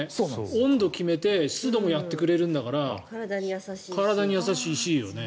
温度を決めて湿度もやってくれるんだから体に優しいよね。